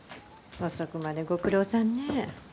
遅くまでご苦労さんね。